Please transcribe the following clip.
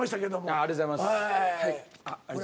ありがとうございます。